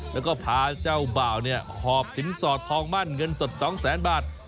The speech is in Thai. แล้วก็พาเจ้าบ่าวเนี่ยหอบสินสอดทองมั่นเงินสด๒แสนบาท